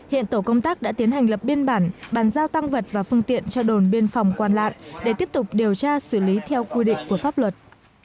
hiện tổ công tác đã tiến hành lập biên bản bàn giao tăng vật và phương tiện cho đồn biên phòng quan lạng để tiếp tục điều tra xử lý theo quy định của pháp luật